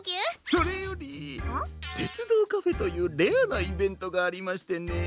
それよりてつどうカフェというレアなイベントがありましてね。